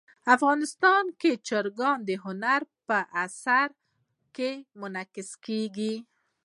افغانستان کې چرګان د هنر په اثار کې منعکس کېږي.